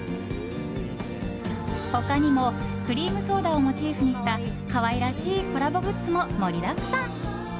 他にもクリームソーダをモチーフにした可愛らしいコラボグッズも盛りだくさん。